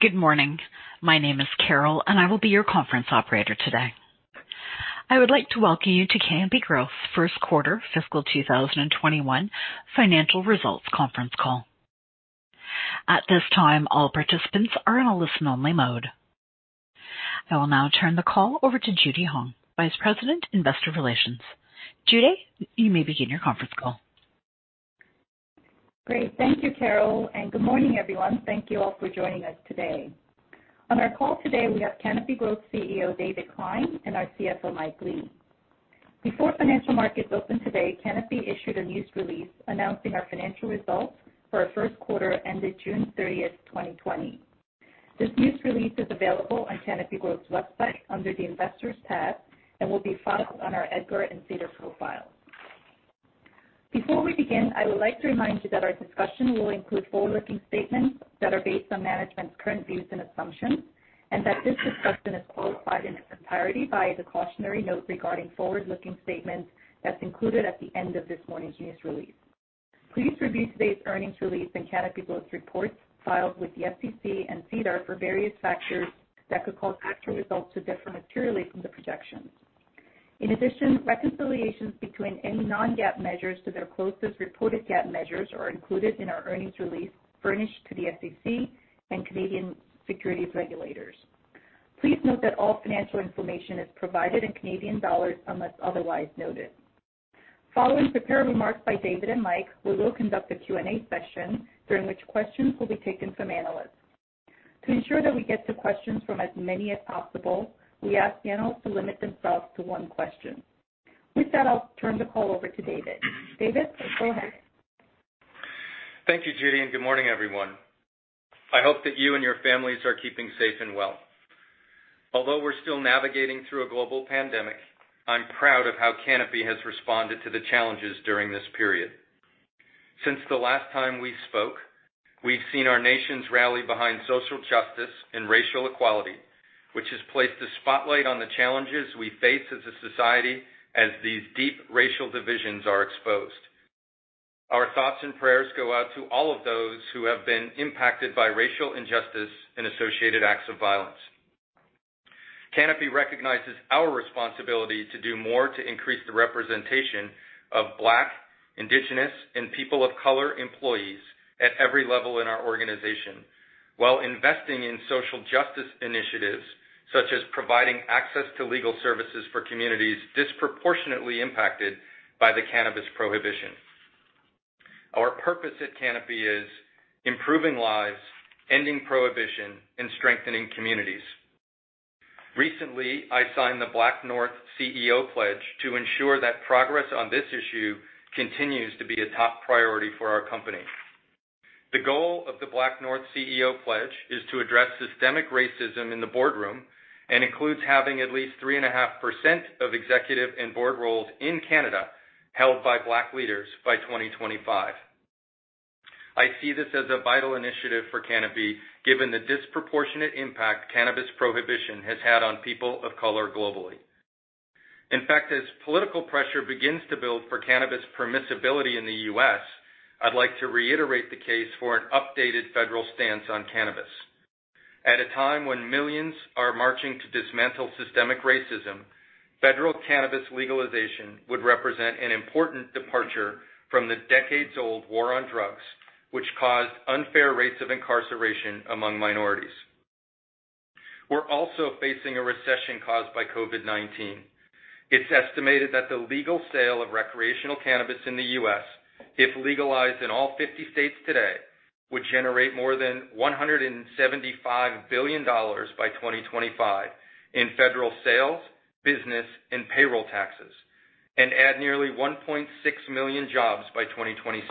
Good morning. My name is Carol, and I will be your conference operator today. I would like to welcome you to Canopy Growth first quarter fiscal 2021 financial results conference call. At this time, all participants are in a listen-only mode. I will now turn the call over to Judy Hong, Vice President, Investor Relations. Judy, you may begin your conference call. Great. Thank you, Carol. Good morning, everyone. Thank you all for joining us today. On our call today, we have Canopy Growth CEO David Klein and our CFO Mike Lee. Before financial markets opened today, Canopy issued a news release announcing our financial results for our first quarter ended June 30th, 2020. This news release is available on Canopy Growth's website under the Investors tab and will be filed on our EDGAR and SEDAR profile. Before we begin, I would like to remind you that our discussion will include forward-looking statements that are based on management's current views and assumptions, and that this discussion is qualified in its entirety by the cautionary note regarding forward-looking statements that's included at the end of this morning's news release. Please review today's earnings release and Canopy Growth's reports filed with the SEC and SEDAR for various factors that could cause actual results to differ materially from the projections. In addition, reconciliations between any non-GAAP measures to their closest reported GAAP measures are included in our earnings release furnished to the SEC and Canadian securities regulators. Please note that all financial information is provided in Canadian dollars unless otherwise noted. Following prepared remarks by David and Mike, we will conduct a Q&A session during which questions will be taken from analysts. To ensure that we get to questions from as many as possible, we ask panelists to limit themselves to one question. With that, I'll turn the call over to David. David, go ahead. Thank you, Judy. Good morning, everyone. I hope that you and your families are keeping safe and well. Although we're still navigating through a global pandemic, I'm proud of how Canopy has responded to the challenges during this period. Since the last time we spoke, we've seen our nations rally behind social justice and racial equality, which has placed a spotlight on the challenges we face as a society as these deep racial divisions are exposed. Our thoughts and prayers go out to all of those who have been impacted by racial injustice and associated acts of violence. Canopy recognizes our responsibility to do more to increase the representation of Black, Indigenous, and people of color employees at every level in our organization, while investing in social justice initiatives such as providing access to legal services for communities disproportionately impacted by the cannabis prohibition. Our purpose at Canopy is improving lives, ending prohibition, and strengthening communities. Recently, I signed the BlackNorth CEO pledge to ensure that progress on this issue continues to be a top priority for our company. The goal of the BlackNorth CEO pledge is to address systemic racism in the boardroom and includes having at least 3.5% of executive and board roles in Canada held by Black leaders by 2025. I see this as a vital initiative for Canopy, given the disproportionate impact cannabis prohibition has had on people of color globally. In fact, as political pressure begins to build for cannabis permissibility in the U.S., I'd like to reiterate the case for an updated federal stance on cannabis. At a time when millions are marching to dismantle systemic racism, federal cannabis legalization would represent an important departure from the decades-old war on drugs, which caused unfair rates of incarceration among minorities. We're also facing a recession caused by COVID-19. It's estimated that the legal sale of recreational cannabis in the U.S., if legalized in all 50 states today, would generate more than 175 billion dollars by 2025 in federal sales, business, and payroll taxes, and add nearly 1.6 million jobs by 2026.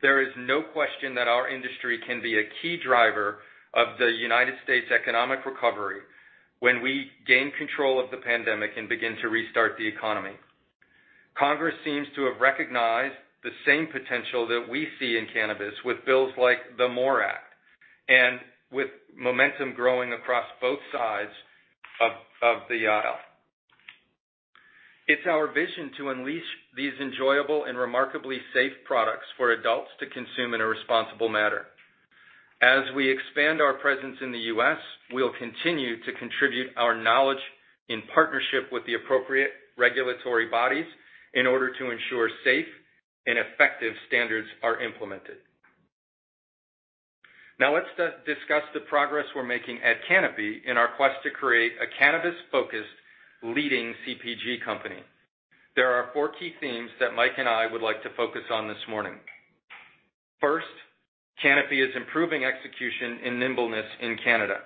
There is no question that our industry can be a key driver of the United States economic recovery when we gain control of the pandemic and begin to restart the economy. Congress seems to have recognized the same potential that we see in cannabis with bills like the MORE Act and with momentum growing across both sides of the aisle. It's our vision to unleash these enjoyable and remarkably safe products for adults to consume in a responsible manner. As we expand our presence in the U.S., we'll continue to contribute our knowledge in partnership with the appropriate regulatory bodies in order to ensure safe and effective standards are implemented. Now let's discuss the progress we're making at Canopy in our quest to create a cannabis-focused leading CPG company. There are four key themes that Mike and I would like to focus on this morning. First, Canopy is improving execution and nimbleness in Canada.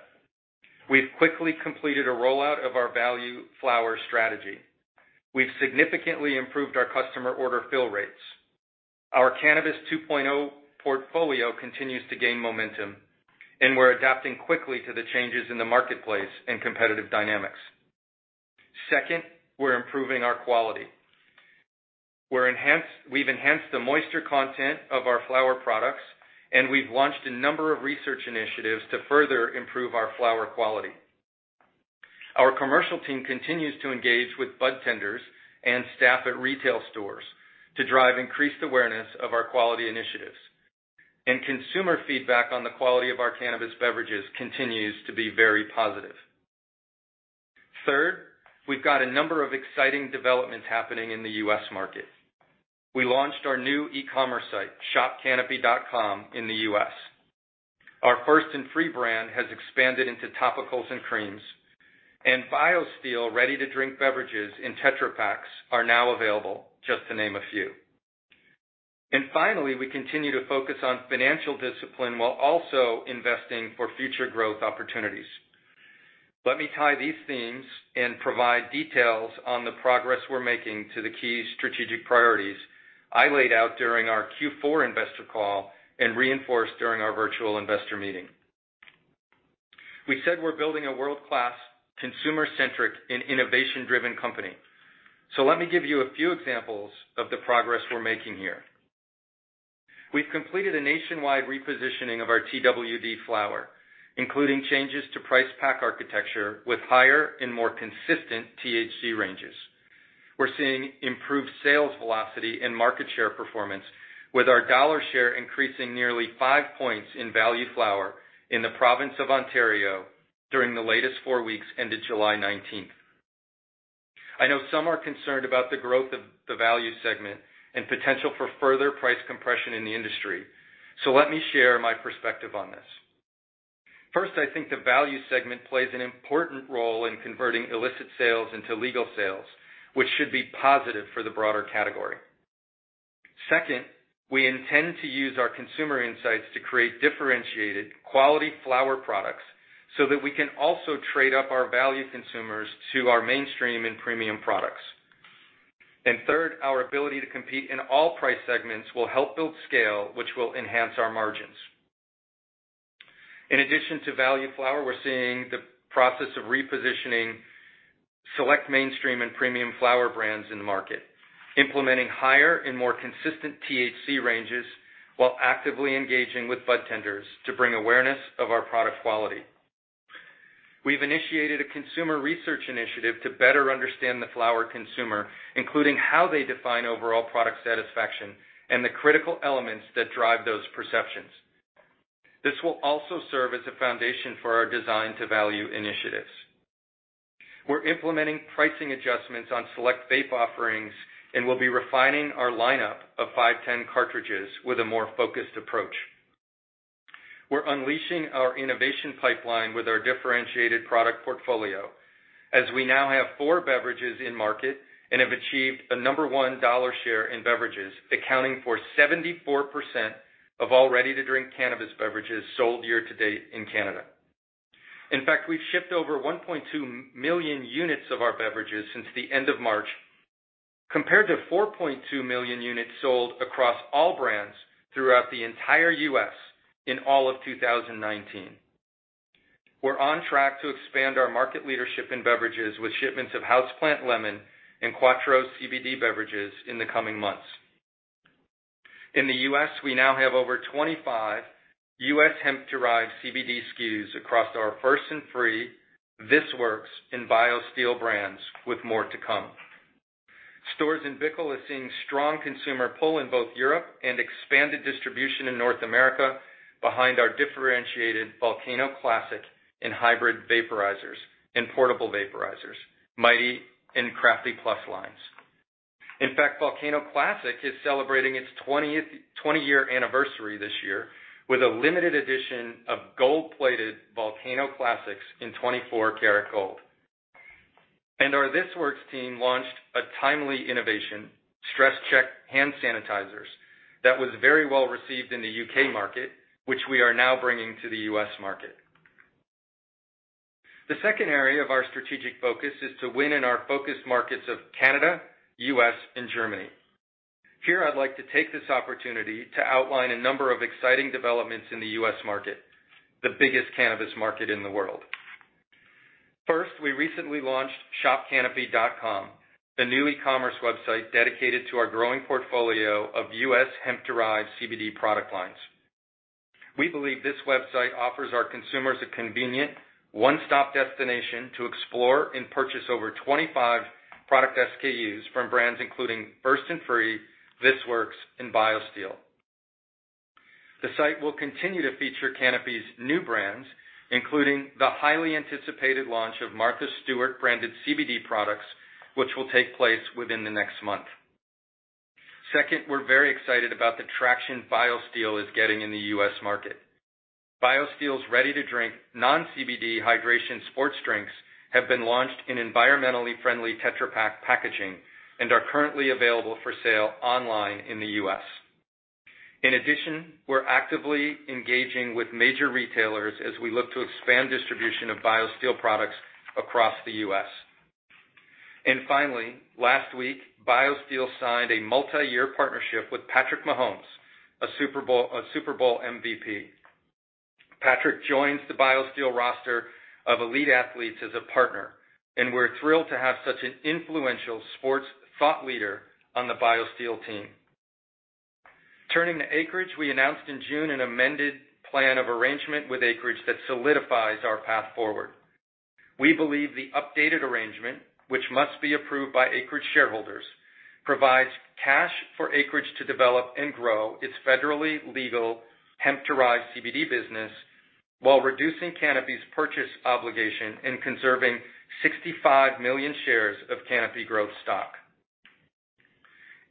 We've quickly completed a rollout of our value flower strategy. We've significantly improved our customer order fill rates. Our Cannabis 2.0 portfolio continues to gain momentum, and we're adapting quickly to the changes in the marketplace and competitive dynamics. Second, we're improving our quality. We've enhanced the moisture content of our flower products. We've launched a number of research initiatives to further improve our flower quality. Our commercial team continues to engage with budtenders and staff at retail stores to drive increased awareness of our quality initiatives. Consumer feedback on the quality of our cannabis beverages continues to be very positive. Third, we've got a number of exciting developments happening in the U.S. market. We launched our new e-commerce site, shopcanopy.com, in the U.S. Our First & Free brand has expanded into topicals and creams, and BioSteel ready-to-drink beverages in Tetra Paks are now available, just to name a few. Finally, we continue to focus on financial discipline while also investing for future growth opportunities. Let me tie these themes and provide details on the progress we're making to the key strategic priorities I laid out during our Q4 investor call and reinforced during our virtual investor meeting. We said we're building a world-class, consumer-centric, and innovation-driven company. Let me give you a few examples of the progress we're making here. We've completed a nationwide repositioning of our TWD flower, including changes to price pack architecture with higher and more consistent THC ranges. We're seeing improved sales velocity and market share performance with our dollar share increasing nearly five points in value flower in the province of Ontario during the latest four weeks ended July 19th. I know some are concerned about the growth of the value segment and potential for further price compression in the industry. Let me share my perspective on this. First, I think the value segment plays an important role in converting illicit sales into legal sales, which should be positive for the broader category. Second, we intend to use our consumer insights to create differentiated quality flower products so that we can also trade up our value consumers to our mainstream and premium products. Third, our ability to compete in all price segments will help build scale, which will enhance our margins. In addition to value flower, we're seeing the process of repositioning select mainstream and premium flower brands in the market, implementing higher and more consistent THC ranges while actively engaging with budtenders to bring awareness of our product quality. We've initiated a consumer research initiative to better understand the flower consumer, including how they define overall product satisfaction and the critical elements that drive those perceptions. This will also serve as a foundation for our design to value initiatives. We're implementing pricing adjustments on select vape offerings, and we'll be refining our lineup of 510 cartridges with a more focused approach. We're unleashing our innovation pipeline with our differentiated product portfolio as we now have four beverages in market and have achieved the number one dollar share in beverages, accounting for 74% of all ready-to-drink cannabis beverages sold year to date in Canada. In fact, we've shipped over 1.2 million units of our beverages since the end of March, compared to 4.2 million units sold across all brands throughout the entire U.S. in all of 2019. We're on track to expand our market leadership in beverages with shipments of Houseplant Lemon and Quatreau CBD beverages in the coming months. In the U.S., we now have over 25 U.S. hemp-derived CBD SKUs across our First & Free, This Works, and BioSteel brands, with more to come. Storz & Bickel is seeing strong consumer pull in both Europe and expanded distribution in North America behind our differentiated VOLCANO CLASSIC and hybrid vaporizers and portable vaporizers, MIGHTY and CRAFTY+ lines. In fact, VOLCANO CLASSIC is celebrating its 20-year anniversary this year with a limited edition of gold-plated VOLCANO CLASSICs in 24 karat gold. Our This Works team launched a timely innovation, Stress Check Clean Hands, that was very well-received in the U.K. market, which we are now bringing to the U.S. market. The second area of our strategic focus is to win in our focus markets of Canada, U.S., and Germany. Here I'd like to take this opportunity to outline a number of exciting developments in the U.S. market, the biggest cannabis market in the world. First, we recently launched shopcanopy.com, the new e-commerce website dedicated to our growing portfolio of U.S. hemp-derived CBD product lines. We believe this website offers our consumers a convenient one-stop destination to explore and purchase over 25 product SKUs from brands including First & Free, This Works, and BioSteel. The site will continue to feature Canopy's new brands, including the highly anticipated launch of Martha Stewart-branded CBD products, which will take place within the next month. Second, we're very excited about the traction BioSteel is getting in the U.S. market. BioSteel's ready-to-drink non-CBD hydration sports drinks have been launched in environmentally friendly Tetra Pak packaging and are currently available for sale online in the U.S. In addition, we're actively engaging with major retailers as we look to expand distribution of BioSteel products across the U.S. Finally, last week, BioSteel signed a multi-year partnership with Patrick Mahomes, a Super Bowl MVP. Patrick joins the BioSteel roster of elite athletes as a partner. We're thrilled to have such an influential sports thought leader on the BioSteel team. Turning to Acreage, we announced in June an amended plan of arrangement with Acreage that solidifies our path forward. We believe the updated arrangement, which must be approved by Acreage shareholders, provides cash for Acreage to develop and grow its federally legal hemp-derived CBD business while reducing Canopy's purchase obligation and conserving 65 million shares of Canopy Growth stock.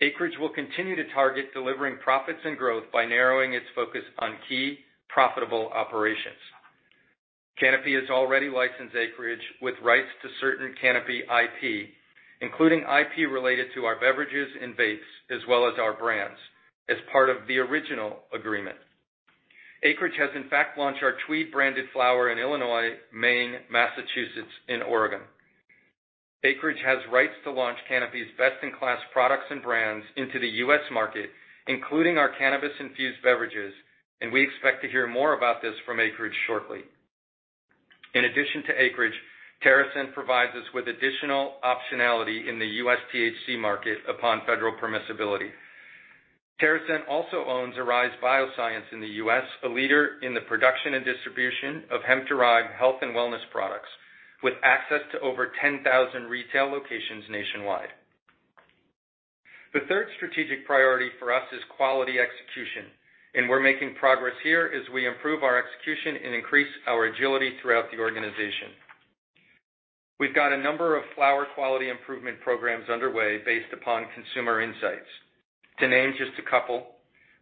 Acreage will continue to target delivering profits and growth by narrowing its focus on key profitable operations. Canopy has already licensed Acreage with rights to certain Canopy IP, including IP related to our beverages and vapes, as well as our brands, as part of the original agreement. Acreage has in fact launched our Tweed branded flower in Illinois, Maine, Massachusetts, and Oregon. Acreage has rights to launch Canopy's best-in-class products and brands into the U.S. market, including our cannabis-infused beverages, and we expect to hear more about this from Acreage shortly. In addition to Acreage, TerrAscend provides us with additional optionality in the U.S. THC market upon federal permissibility. TerrAscend also owns Arise Bioscience in the U.S., a leader in the production and distribution of hemp-derived health and wellness products, with access to over 10,000 retail locations nationwide. The third strategic priority for us is quality execution, and we're making progress here as we improve our execution and increase our agility throughout the organization. We've got a number of flower quality improvement programs underway based upon consumer insights. To name just a couple,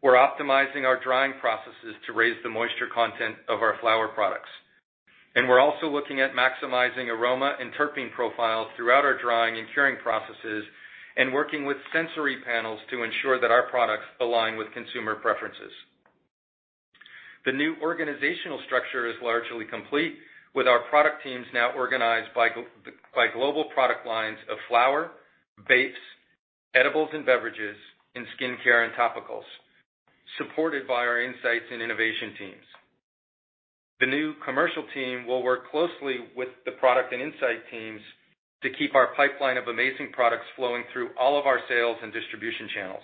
we're optimizing our drying processes to raise the moisture content of our flower products. We're also looking at maximizing aroma and terpene profiles throughout our drying and curing processes and working with sensory panels to ensure that our products align with consumer preferences. The new organizational structure is largely complete, with our product teams now organized by global product lines of flower, vapes, edibles and beverages, and skincare and topicals, supported by our insights and innovation teams. The new commercial team will work closely with the product and insight teams to keep our pipeline of amazing products flowing through all of our sales and distribution channels.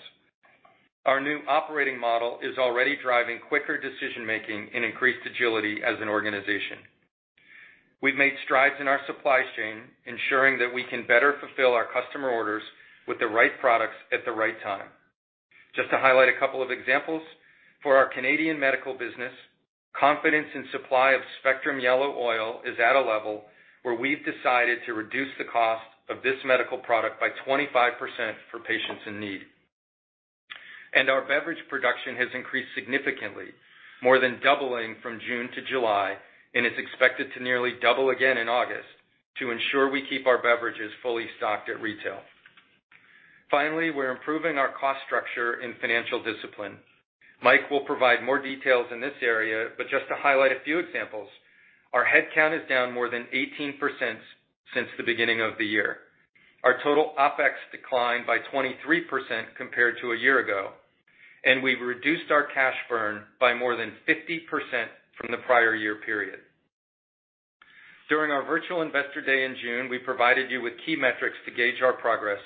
Our new operating model is already driving quicker decision-making and increased agility as an organization. We've made strides in our supply chain, ensuring that we can better fulfill our customer orders with the right products at the right time. Just to highlight a couple of examples, for our Canadian medical business, confidence in supply of Spectrum Yellow oil is at a level where we've decided to reduce the cost of this medical product by 25% for patients in need. Our beverage production has increased significantly, more than doubling from June to July, and is expected to nearly double again in August to ensure we keep our beverages fully stocked at retail. Finally, we're improving our cost structure and financial discipline. Mike will provide more details in this area, but just to highlight a few examples, our headcount is down more than 18% since the beginning of the year. Our total OpEx declined by 23% compared to a year ago, and we've reduced our cash burn by more than 50% from the prior-year period. During our virtual Analyst Day in June, we provided you with key metrics to gauge our progress,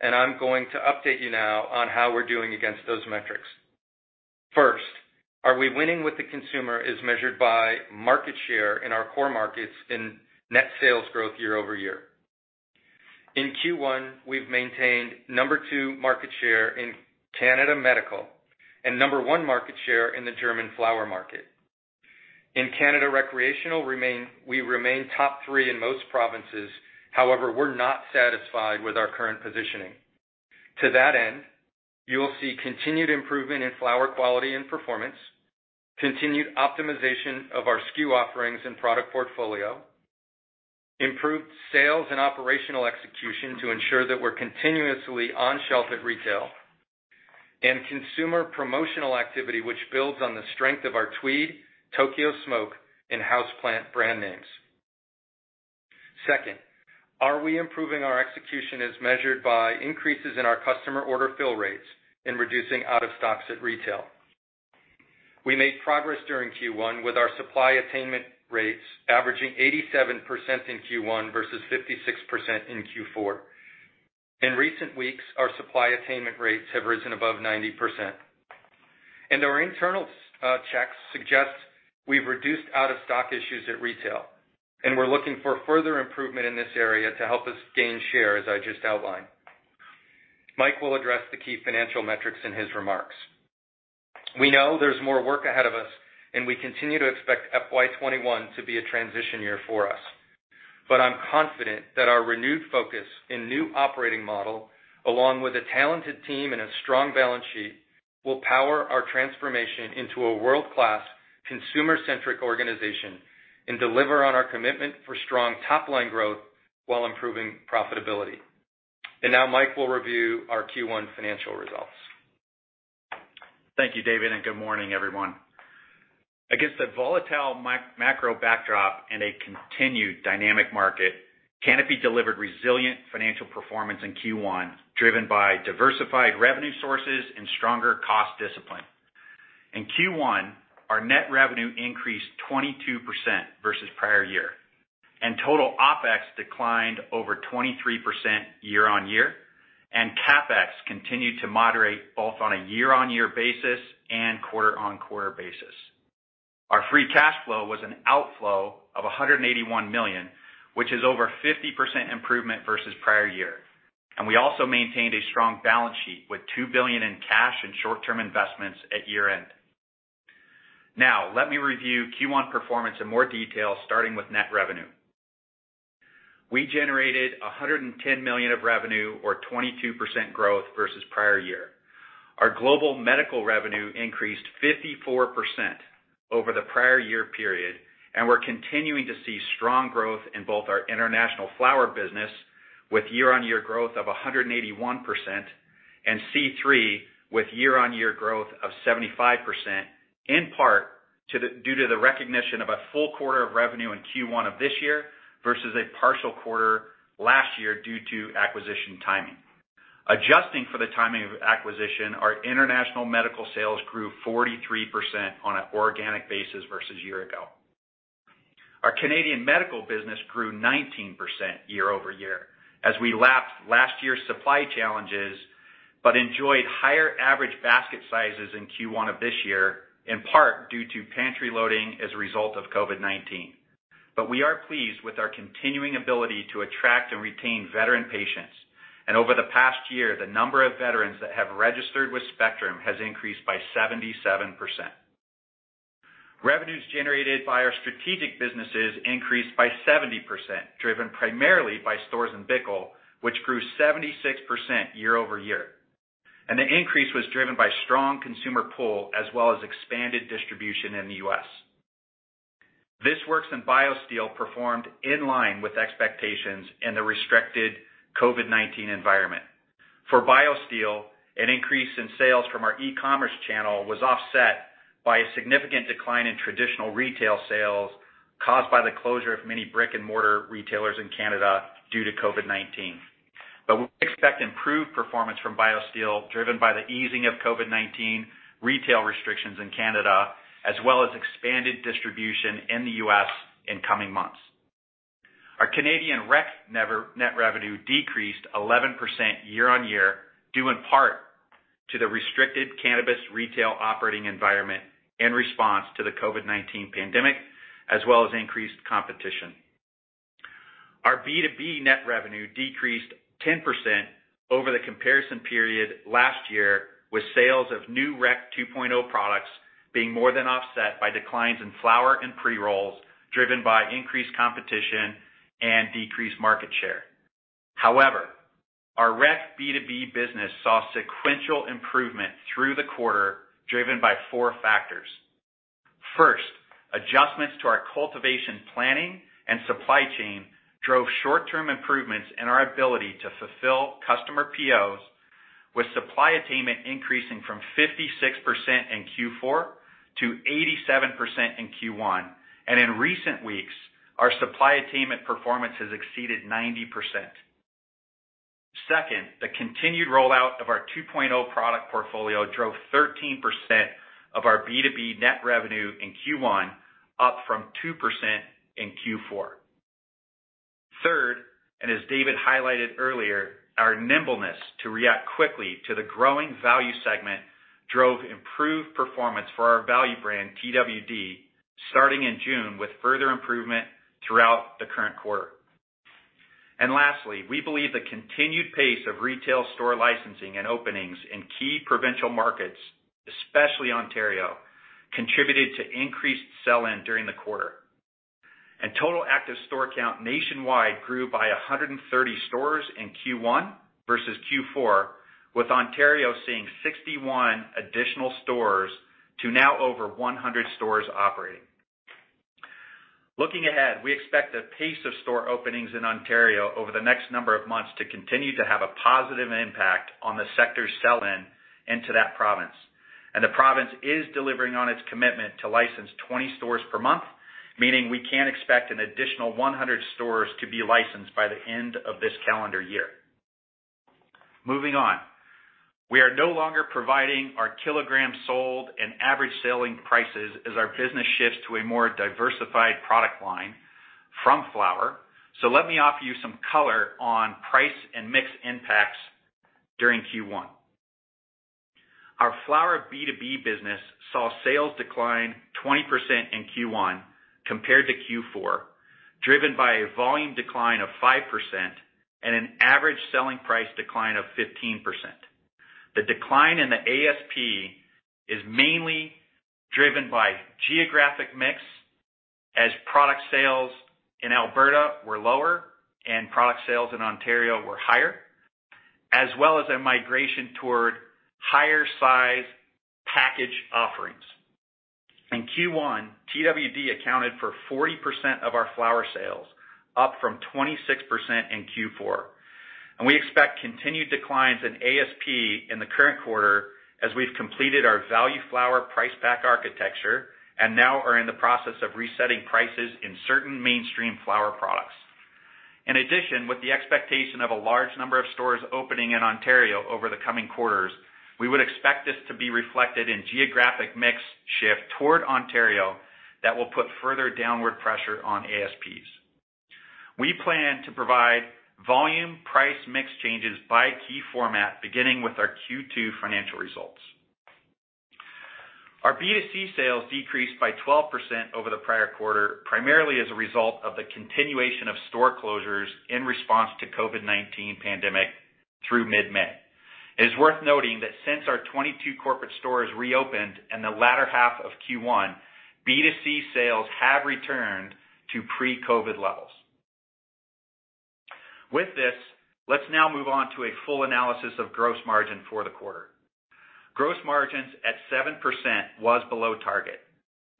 and I'm going to update you now on how we're doing against those metrics. First, are we winning with the consumer is measured by market share in our core markets in net sales growth year-over-year. In Q1, we've maintained number two market share in Canada medical, and number one market share in the German flower market. In Canada recreational, we remain top three in most provinces. However, we're not satisfied with our current positioning. To that end, you will see continued improvement in flower quality and performance, continued optimization of our SKU offerings and product portfolio, improved sales and operational execution to ensure that we're continuously on shelf at retail, and consumer promotional activity, which builds on the strength of our Tweed, Tokyo Smoke, and Houseplant brand names. Second, are we improving our execution as measured by increases in our customer order fill rates in reducing out of stocks at retail? We made progress during Q1 with our supply attainment rates averaging 87% in Q1 versus 56% in Q4. In recent weeks, our supply attainment rates have risen above 90%. Our internal checks suggest we've reduced out-of-stock issues at retail, and we're looking for further improvement in this area to help us gain share, as I just outlined. Mike will address the key financial metrics in his remarks. We know there's more work ahead of us, and we continue to expect FY 2021 to be a transition year for us. I'm confident that our renewed focus and new operating model, along with a talented team and a strong balance sheet, will power our transformation into a world-class, consumer-centric organization and deliver on our commitment for strong top-line growth while improving profitability. Now Mike will review our Q1 financial results. Thank you, David, and good morning, everyone. Against a volatile macro backdrop and a continued dynamic market, Canopy delivered resilient financial performance in Q1, driven by diversified revenue sources and stronger cost discipline. In Q1, our net revenue increased 22% versus prior year, total OpEx declined over 23% year-on-year, CapEx continued to moderate both on a year-on-year basis and quarter-on-quarter basis. Our free cash flow was an outflow of 181 million, which is over 50% improvement versus prior year. We also maintained a strong balance sheet with 2 billion in cash and short-term investments at year-end. Let me review Q1 performance in more detail, starting with net revenue. We generated 110 million of revenue or 22% growth versus prior year. Our global medical revenue increased 54% over the prior year period, and we're continuing to see strong growth in both our international flower business with year-over-year growth of 181%, and C3 with year-over-year growth of 75%, in part due to the recognition of a full quarter of revenue in Q1 of this year versus a partial quarter last year due to acquisition timing. Adjusting for the timing of acquisition, our international medical sales grew 43% on a organic basis versus year ago. Our Canadian medical business grew 19% year-over-year as we lapped last year's supply challenges, but enjoyed higher average basket sizes in Q1 of this year, in part due to pantry loading as a result of COVID-19. We are pleased with our continuing ability to attract and retain veteran patients. Over the past year, the number of veterans that have registered with Spectrum has increased by 77%. Revenues generated by our strategic businesses increased by 70%, driven primarily by Storz & Bickel, which grew 76% year-over-year. The increase was driven by strong consumer pull, as well as expanded distribution in the U.S. This Works and BioSteel performed in line with expectations in the restricted COVID-19 environment. For BioSteel, an increase in sales from our e-commerce channel was offset by a significant decline in traditional retail sales caused by the closure of many brick-and-mortar retailers in Canada due to COVID-19. We expect improved performance from BioSteel, driven by the easing of COVID-19 retail restrictions in Canada, as well as expanded distribution in the U.S. in coming months. Our Canadian rec net revenue decreased 11% year-on-year, due in part to the restricted cannabis retail operating environment in response to the COVID-19 pandemic, as well as increased competition. Our B2B net revenue decreased 10% over the comparison period last year with sales of new Rec 2.0 products being more than offset by declines in flower and pre-rolls, driven by increased competition and decreased market share. However, our rec B2B business saw sequential improvement through the quarter, driven by four factors. First, adjustments to our cultivation planning and supply chain drove short-term improvements in our ability to fulfill customer POs with supply attainment increasing from 56% in Q4 to 87% in Q1. In recent weeks, our supply attainment performance has exceeded 90%. Second, the continued rollout of our 2.0 product portfolio drove 13% of our B2B net revenue in Q1, up from 2% in Q4. Third, as David highlighted earlier, our nimbleness to react quickly to the growing value segment drove improved performance for our value brand, TWD., starting in June with further improvement throughout the current quarter. Lastly, we believe the continued pace of retail store licensing and openings in key provincial markets, especially Ontario, contributed to increased sell-in during the quarter. Total active store count nationwide grew by 130 stores in Q1 versus Q4, with Ontario seeing 61 additional stores to now over 100 stores operating. Looking ahead, we expect the pace of store openings in Ontario over the next number of months to continue to have a positive impact on the sector's sell-in into that province. The province is delivering on its commitment to license 20 stores per month, meaning we can expect an additional 100 stores to be licensed by the end of this calendar year. Moving on. We are no longer providing our kilograms sold and average selling prices as our business shifts to a more diversified product line from flower. Let me offer you some color on price and mix impacts during Q1. Our flower B2B business saw sales decline 20% in Q1 compared to Q4, driven by a volume decline of 5% and an average selling price decline of 15%. The decline in the ASP is mainly driven by geographic mix as product sales in Alberta were lower and product sales in Ontario were higher, as well as a migration toward higher size package offerings. In Q1, TWD. accounted for 40% of our flower sales, up from 26% in Q4. We expect continued declines in ASP in the current quarter as we've completed our value flower price pack architecture and now are in the process of resetting prices in certain mainstream flower products. With the expectation of a large number of stores opening in Ontario over the coming quarters, we would expect this to be reflected in geographic mix shift toward Ontario that will put further downward pressure on ASPs. We plan to provide volume price mix changes by key format, beginning with our Q2 financial results. Our B2C sales decreased by 12% over the prior quarter, primarily as a result of the continuation of store closures in response to COVID-19 pandemic through mid-May. It is worth noting that since our 22 corporate stores reopened in the latter half of Q1, B2C sales have returned to pre-COVID levels. With this, let's now move on to a full analysis of gross margin for the quarter. Gross margins at 7% was below target.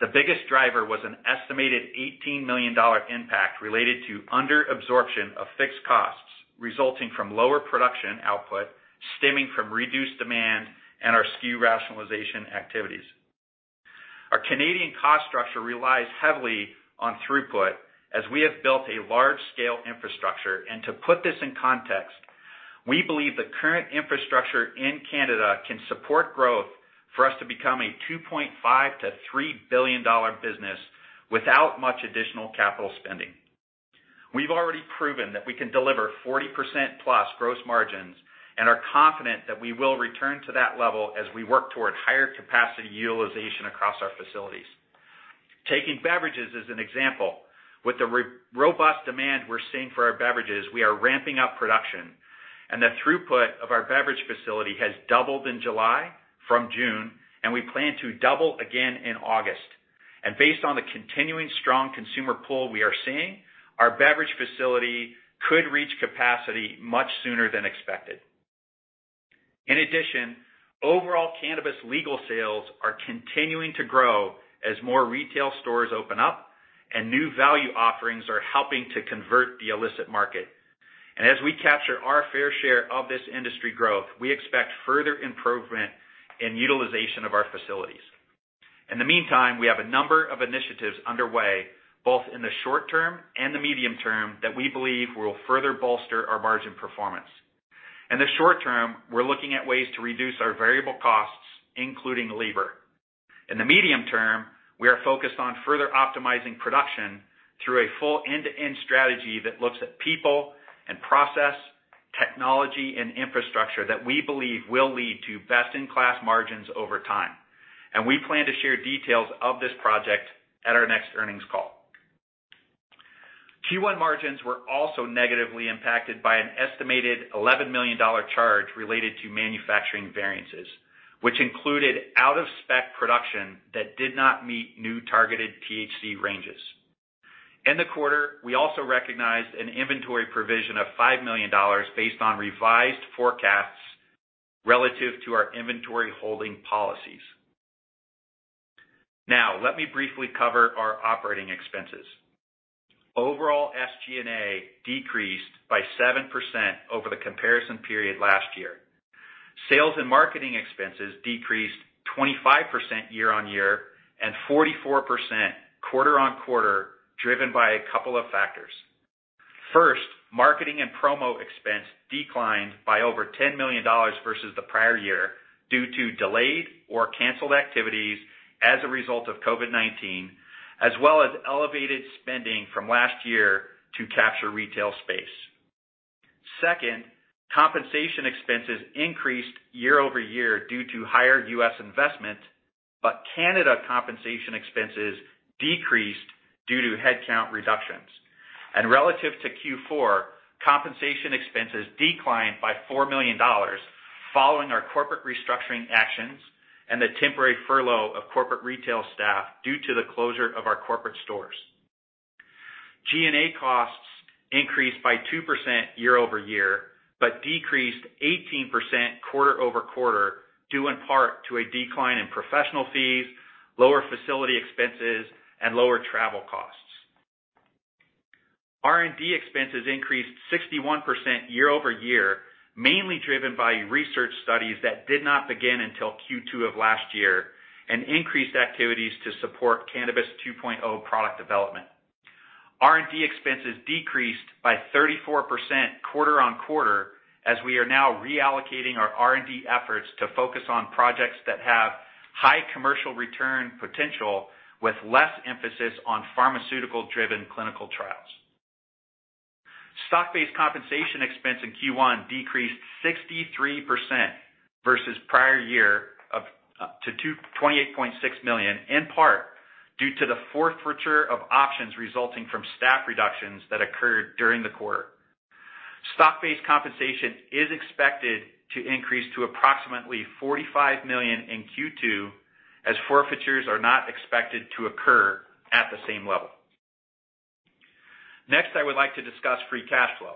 The biggest driver was an estimated 18 million dollar impact related to under-absorption of fixed costs resulting from lower production output, stemming from reduced demand and our SKU rationalization activities. Our Canadian cost structure relies heavily on throughput as we have built a large-scale infrastructure. To put this in context, we believe the current infrastructure in Canada can support growth for us to become a 2.5 billion-3 billion dollar business without much additional capital spending. We've already proven that we can deliver 40%+ gross margins and are confident that we will return to that level as we work toward higher capacity utilization across our facilities. Taking beverages as an example, with the robust demand we're seeing for our beverages, we are ramping up production and the throughput of our beverage facility has doubled in July from June, and we plan to double again in August. Based on the continuing strong consumer pull we are seeing, our beverage facility could reach capacity much sooner than expected. In addition, overall cannabis legal sales are continuing to grow as more retail stores open up and new value offerings are helping to convert the illicit market. As we capture our fair share of this industry growth, we expect further improvement in utilization of our facilities. In the meantime, we have a number of initiatives underway, both in the short term and the medium term, that we believe will further bolster our margin performance. In the short term, we're looking at ways to reduce our variable costs, including labor. In the medium term, we are focused on further optimizing production through a full end-to-end strategy that looks at people and process, technology and infrastructure that we believe will lead to best-in-class margins over time. We plan to share details of this project at our next earnings call. Q1 margins were also negatively impacted by an estimated 11 million dollar charge related to manufacturing variances, which included out-of-spec production that did not meet new targeted THC ranges. In the quarter, we also recognized an inventory provision of 5 million dollars based on revised forecasts relative to our inventory holding policies. Now, let me briefly cover our operating expenses. Overall, SG&A decreased by 7% over the comparison period last year. Sales and marketing expenses decreased 25% year-on-year and 44% quarter-on-quarter, driven by a couple of factors. First, marketing and promo expense declined by over 10 million dollars versus the prior year due to delayed or canceled activities as a result of COVID-19, as well as elevated spending from last year to capture retail space. Second, compensation expenses increased year-over-year due to higher U.S. investment, but Canada compensation expenses decreased due to headcount reductions. Relative to Q4, compensation expenses declined by 4 million dollars following our corporate restructuring actions and the temporary furlough of corporate retail staff due to the closure of our corporate stores. G&A costs increased by 2% year-over-year, but decreased 18% quarter-over-quarter, due in part to a decline in professional fees, lower facility expenses, and lower travel costs. R&D expenses increased 61% year-over-year, mainly driven by research studies that did not begin until Q2 of last year, and increased activities to support Cannabis 2.0 product development. R&D expenses decreased by 34% quarter-on-quarter, as we are now reallocating our R&D efforts to focus on projects that have high commercial return potential with less emphasis on pharmaceutical-driven clinical trials. Stock-based compensation expense in Q1 decreased 63% versus prior year up to 28.6 million, in part due to the forfeiture of options resulting from staff reductions that occurred during the quarter. Stock-based compensation is expected to increase to approximately 45 million in Q2, as forfeitures are not expected to occur at the same level. Next, I would like to discuss free cash flow.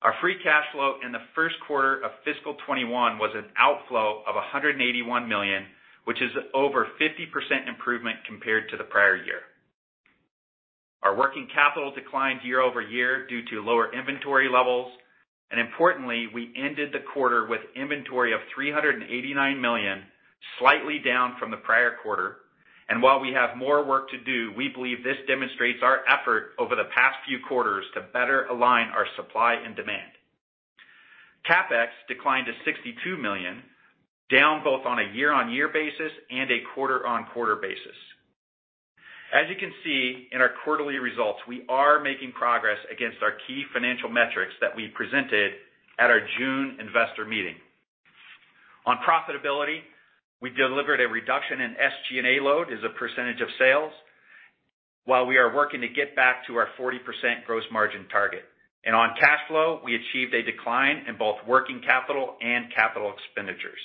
Our free cash flow in the first quarter of fiscal 2021 was an outflow of 181 million, which is over 50% improvement compared to the prior year. Our working capital declined year-over-year due to lower inventory levels. Importantly, we ended the quarter with inventory of 389 million, slightly down from the prior quarter. While we have more work to do, we believe this demonstrates our effort over the past few quarters to better align our supply and demand. CapEx declined to 62 million, down both on a year-on-year basis and a quarter-on-quarter basis. As you can see in our quarterly results, we are making progress against our key financial metrics that we presented at our June investor meeting. On profitability, we delivered a reduction in SG&A load as a percentage of sales, while we are working to get back to our 40% gross margin target. On cash flow, we achieved a decline in both working capital and capital expenditures.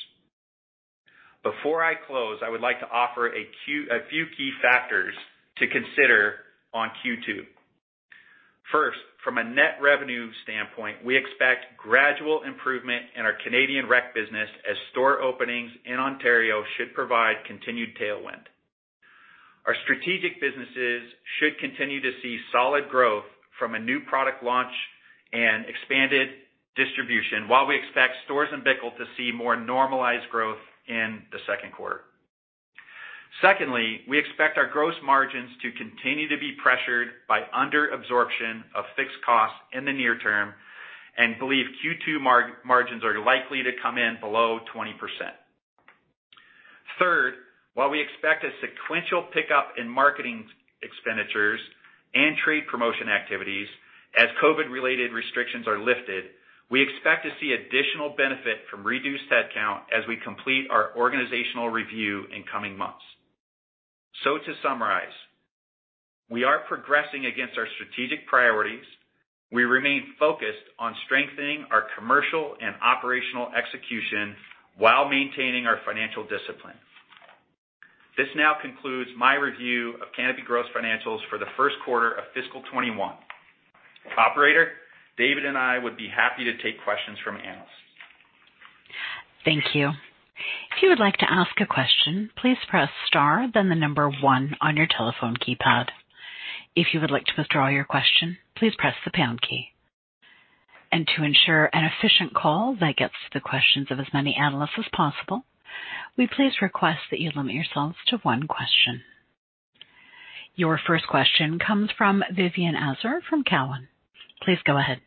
Before I close, I would like to offer a few key factors to consider on Q2. First, from a net revenue standpoint, we expect gradual improvement in our Canadian Rec business as store openings in Ontario should provide continued tailwind. Our strategic businesses should continue to see solid growth from a new product launch and expanded distribution while we expect Storz & Bickel to see more normalized growth in the second quarter. Secondly, we expect our gross margins to continue to be pressured by under-absorption of fixed costs in the near term and believe Q2 margins are likely to come in below 20%. While we expect a sequential pickup in marketing expenditures and trade promotion activities as COVID-related restrictions are lifted, we expect to see additional benefit from reduced headcount as we complete our organizational review in coming months. To summarize, we are progressing against our strategic priorities. We remain focused on strengthening our commercial and operational execution while maintaining our financial discipline. This now concludes my review of Canopy Growth financials for the first quarter of fiscal 2021. Operator, David and I would be happy to take questions from analysts. Thank you. If you would like to ask a question, please press star then the number one on your telephone keypad. If you would like to withdraw your question, please press the pound key. To ensure an efficient call that gets to the questions of as many analysts as possible, we please request that you limit yourselves to one question. Your first question comes from Vivien Azer from Cowen. Please go ahead.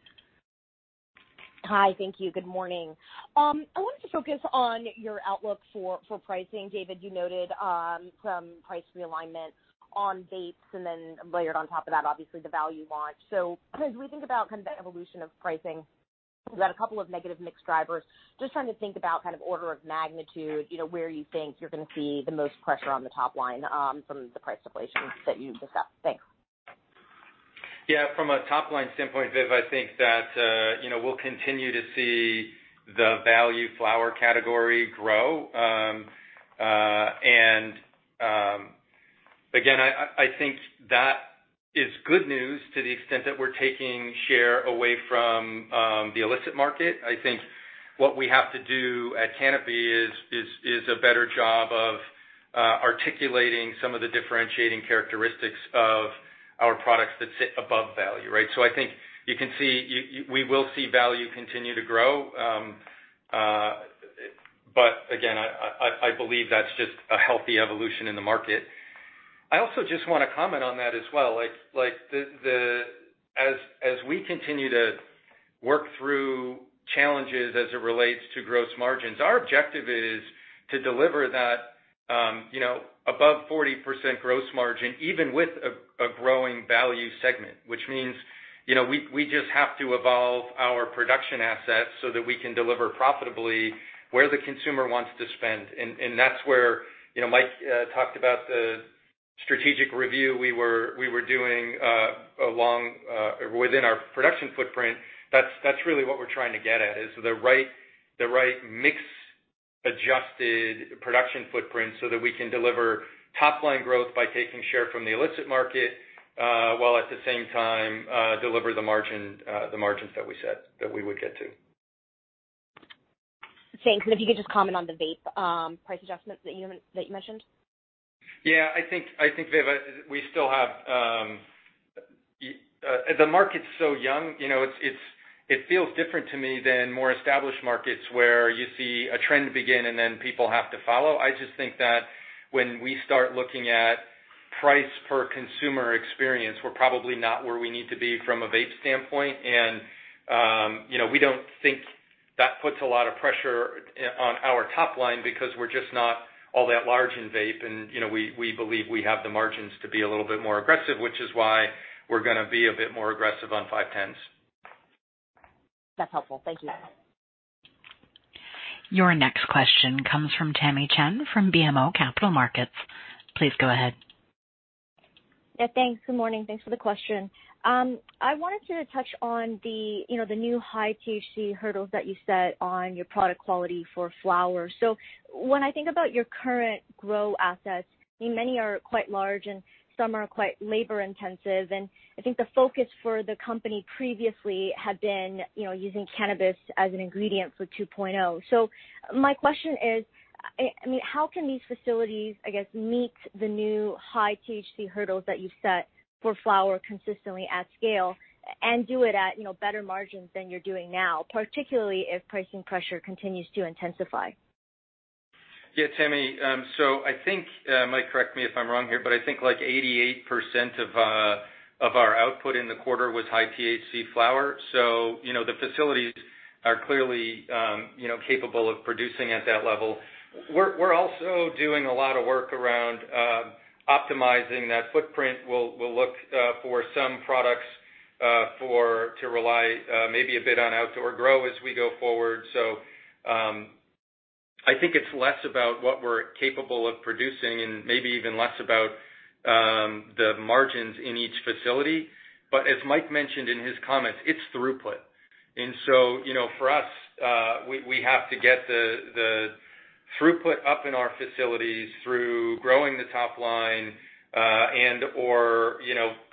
Hi. Thank you. Good morning. I wanted to focus on your outlook for pricing. David, you noted some price realignment on vapes and then layered on top of that, obviously the value launch. As we think about kind of the evolution of pricing, you've got a couple of negative mix drivers. Just trying to think about kind of order of magnitude, where you think you're going to see the most pressure on the top line from the price deflation that you discussed. Thanks. From a top-line standpoint, Vivien, I think that we'll continue to see the value flower category grow. Again, I think that is good news to the extent that we're taking share away from the illicit market. I think what we have to do at Canopy Growth is a better job of articulating some of the differentiating characteristics of our products that sit above value, right? I think we will see value continue to grow. Again, I believe that's just a healthy evolution in the market. I also just want to comment on that as well. As we continue to work through challenges as it relates to gross margins, our objective is to deliver that above 40% gross margin, even with a growing value segment, which means we just have to evolve our production assets so that we can deliver profitably where the consumer wants to spend. That's where Mike talked about the strategic review we were doing within our production footprint. That's really what we're trying to get at, is the right mix adjusted production footprint so that we can deliver top-line growth by taking share from the illicit market, while at the same time deliver the margins that we said that we would get to. Thanks. If you could just comment on the vape price adjustments that you mentioned? Yeah. I think, Vivien, the market's so young. It feels different to me than more established markets where you see a trend begin and then people have to follow. I just think that when we start looking at price per consumer experience, we're probably not where we need to be from a vape standpoint. We don't think that puts a lot of pressure on our top line because we're just not all that large in vape, and we believe we have the margins to be a little bit more aggressive, which is why we're going to be a bit more aggressive on 510s. That's helpful. Thank you. Your next question comes from Tamy Chen from BMO Capital Markets. Please go ahead. Thanks. Good morning. Thanks for the question. I wanted to touch on the new high THC hurdles that you set on your product quality for flowers. When I think about your current grow assets, many are quite large and some are quite labor-intensive, and I think the focus for the company previously had been using cannabis as an ingredient for 2.0. My question is, how can these facilities, I guess, meet the new high THC hurdles that you set for flower consistently at scale and do it at better margins than you're doing now, particularly if pricing pressure continues to intensify? Yeah, Tamy. Mike Lee, correct me if I'm wrong here, I think 88% of our output in the quarter was high THC flower. The facilities are clearly capable of producing at that level. We're also doing a lot of work around optimizing that footprint. We'll look for some products to rely maybe a bit on outdoor grow as we go forward. I think it's less about what we're capable of producing and maybe even less about the margins in each facility. As Mike mentioned in his comments, it's throughput. For us, we have to get the throughput up in our facilities through growing the top line and/or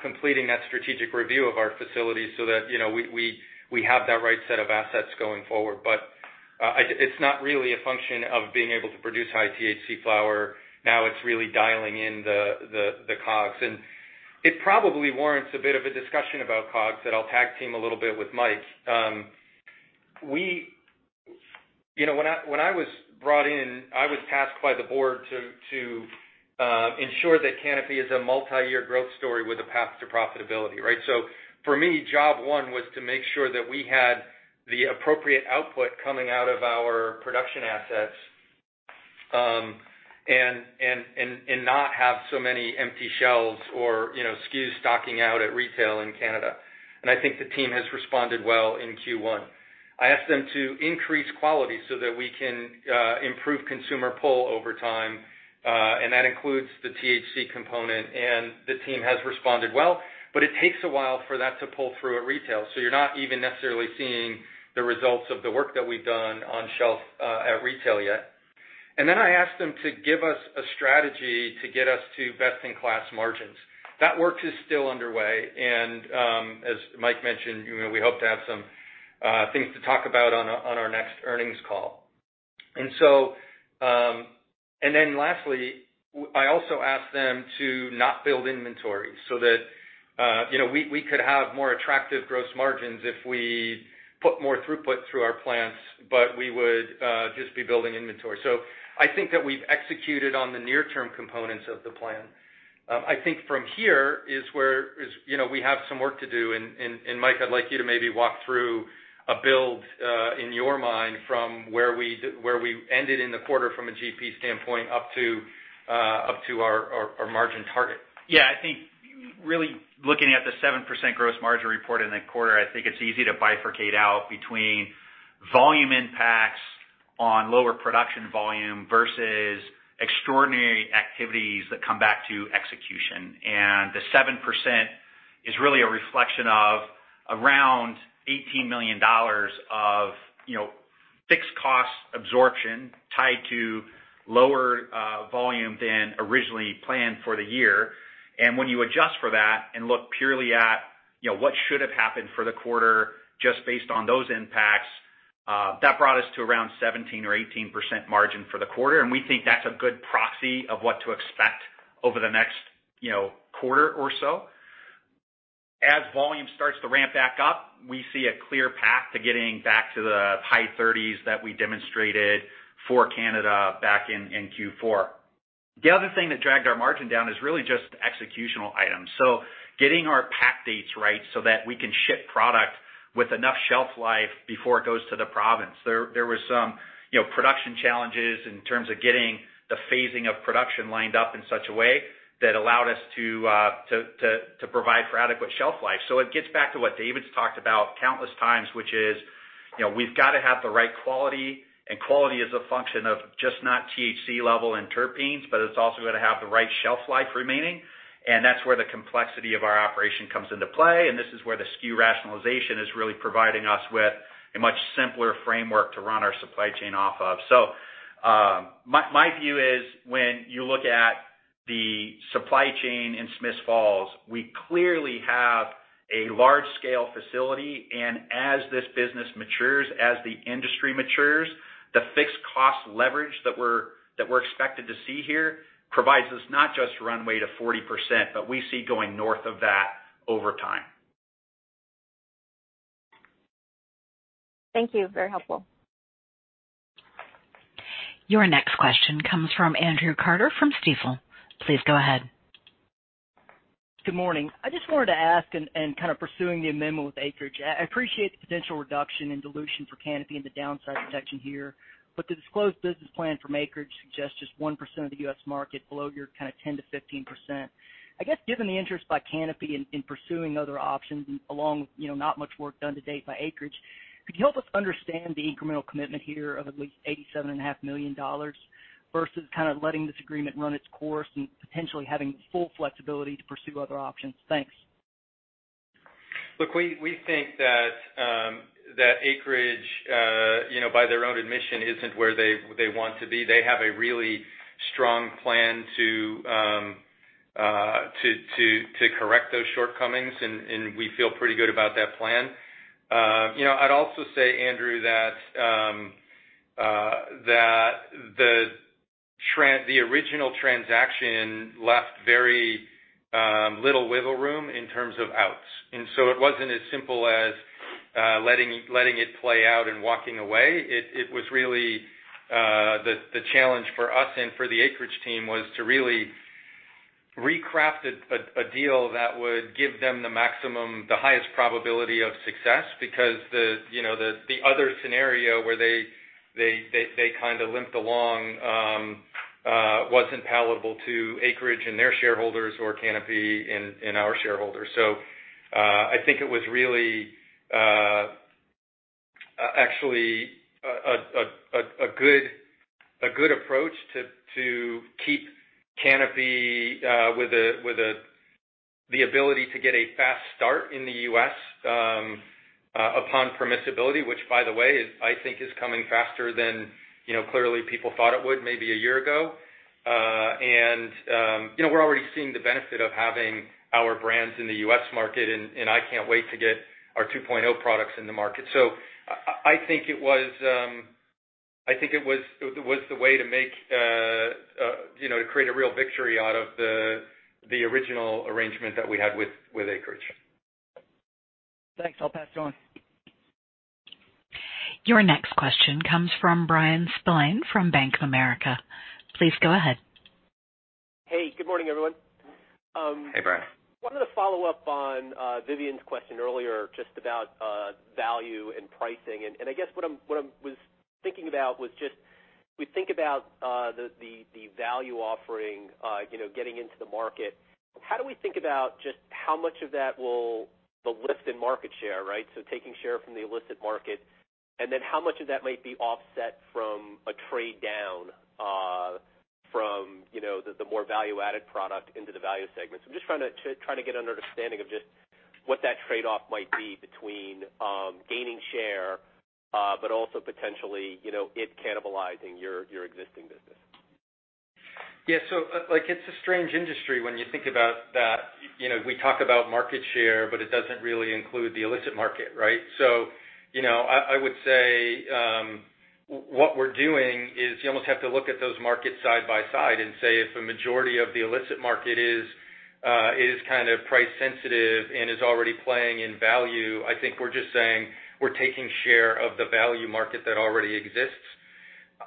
completing that strategic review of our facilities so that we have that right set of assets going forward. It's not really a function of being able to produce high THC flower. Now it's really dialing in the COGS. It probably warrants a bit of a discussion about COGS that I'll tag team a little bit with Mike. When I was brought in, I was tasked by the board to ensure that Canopy is a multi-year growth story with a path to profitability. Right? For me, job one was to make sure that we had the appropriate output coming out of our production assets, and not have so many empty shelves or SKUs stocking out at retail in Canada. I think the team has responded well in Q1. I asked them to increase quality so that we can improve consumer pull over time. That includes the THC component, and the team has responded well. It takes a while for that to pull through at retail. You're not even necessarily seeing the results of the work that we've done on shelf at retail yet. I asked them to give us a strategy to get us to best in class margins. That work is still underway. As Mike mentioned, we hope to have some things to talk about on our next earnings call. Lastly, I also asked them to not build inventory, so that we could have more attractive gross margins if we put more throughput through our plants, but we would just be building inventory. I think that we've executed on the near term components of the plan. I think from here is where we have some work to do. Mike, I'd like you to maybe walk through a build, in your mind, from where we ended in the quarter from a GP standpoint up to our margin target. Yeah. I think really looking at the 7% gross margin report in the quarter, I think it's easy to bifurcate out between volume impacts on lower production volume versus extraordinary activities that come back to execution. The 7% is really a reflection of around 18 million dollars of fixed cost absorption tied to lower volume than originally planned for the year. When you adjust for that and look purely at what should have happened for the quarter just based on those impacts, that brought us to around 17% or 18% margin for the quarter, and we think that's a good proxy of what to expect over the next quarter or so. As volume starts to ramp back up, we see a clear path to getting back to the high 30s% that we demonstrated for Canada back in Q4. The other thing that dragged our margin down is really just executional items. Getting our pack dates right so that we can ship product with enough shelf life before it goes to the province. There was some production challenges in terms of getting the phasing of production lined up in such a way that allowed us to provide for adequate shelf life. It gets back to what David's talked about countless times, which is, we've got to have the right quality, and quality is a function of just not THC level and terpenes, but it's also got to have the right shelf life remaining, and that's where the complexity of our operation comes into play, and this is where the SKU rationalization is really providing us with a much simpler framework to run our supply chain off of. My view is, when you look at the supply chain in Smiths Falls, we clearly have a large-scale facility, and as this business matures, as the industry matures, the fixed cost leverage that we're expected to see here provides us not just runway to 40%, but we see going north of that over time. Thank you. Very helpful. Your next question comes from Andrew Carter from Stifel. Please go ahead. Good morning. I just wanted to ask and kind of pursuing the amendment with Acreage. I appreciate the potential reduction in dilution for Canopy Growth and the downside protection here, but the disclosed business plan from Acreage Holdings suggests just 1% of the U.S. market below your kind of 10%-15%. I guess given the interest by Canopy Growth in pursuing other options and along with not much work done to date by Acreage Holdings, could you help us understand the incremental commitment here of at least 87.5 million dollars versus kind of letting this agreement run its course and potentially having full flexibility to pursue other options? Thanks. Look, we think that Acreage, by their own admission, isn't where they want to be. They have a really strong plan to correct those shortcomings, and we feel pretty good about that plan. I'd also say, Andrew, that the original transaction left very little wiggle room in terms of outs. It wasn't as simple as letting it play out and walking away. The challenge for us and for the Acreage team was to really recraft a deal that would give them the highest probability of success, because the other scenario where they kind of limped along, wasn't palatable to Acreage and their shareholders or Canopy and our shareholders. I think it was really actually a good approach to keep Canopy with the ability to get a fast start in the U.S. upon permissibility, which by the way, I think is coming faster than clearly people thought it would maybe a year ago. We're already seeing the benefit of having our brands in the U.S. market, and I can't wait to get our 2.0 products in the market. I think it was the way to create a real victory out of the original arrangement that we had with Acreage. Thanks. I'll pass it on. Your next question comes from Bryan Spillane from Bank of America. Please go ahead. Hey, good morning, everyone. Hey, Bryan. Wanted to follow up on Vivien's question earlier just about value and pricing, and I guess what I was thinking about was just, we think about the value offering getting into the market. How do we think about just how much of that will the lift in market share, right? Taking share from the illicit market, and then how much of that might be offset from a trade down from the more value-added product into the value segment. I'm just trying to get an understanding of just what that trade-off might be between gaining share, but also potentially, it cannibalizing your existing business. Yeah. It's a strange industry when you think about that. We talk about market share, but it doesn't really include the illicit market, right? I would say, what we're doing is you almost have to look at those markets side by side and say if a majority of the illicit market is kind of price sensitive and is already playing in value, I think we're just saying we're taking share of the value market that already exists.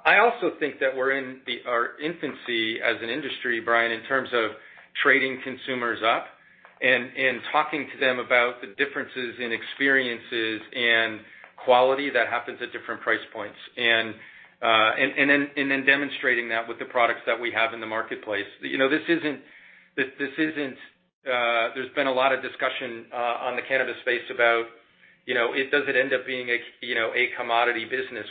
I also think that we're in our infancy as an industry, Bryan, in terms of trading consumers up and talking to them about the differences in experiences and quality that happens at different price points. Then demonstrating that with the products that we have in the marketplace. There's been a lot of discussion on the cannabis space about, does it end up being a commodity business?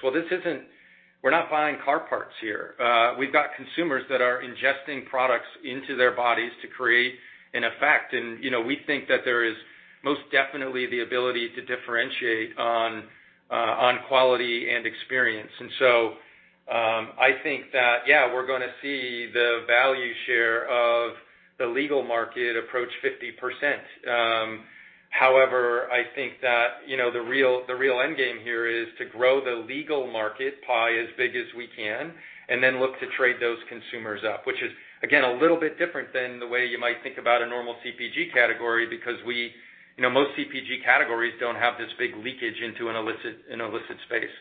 We're not buying car parts here. We've got consumers that are ingesting products into their bodies to create an effect. We think that there is most definitely the ability to differentiate on quality and experience. I think that, yeah, we're going to see the value share of the legal market approach 50%. However, I think that the real end game here is to grow the legal market pie as big as we can and then look to trade those consumers up. Which is, again, a little bit different than the way you might think about a normal CPG category because most CPG categories don't have this big leakage into an illicit space.